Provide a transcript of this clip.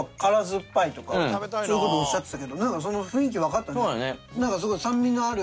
そういうことおっしゃってたけどその雰囲気分かったね。